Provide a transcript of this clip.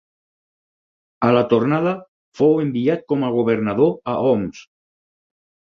A la tornada fou enviat com a governador a Homs.